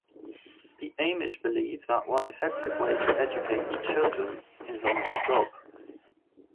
The Amish believe that one effective way to educate children is on the job.